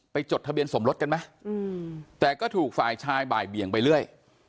จดทะเบียนสมรสกันไหมแต่ก็ถูกฝ่ายชายบ่ายเบี่ยงไปเรื่อย